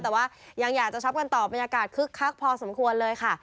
แต่ว่ายังอยากจะช็อปกันต่อบรรยากาศคึกคักพอสมควรเลยค่ะ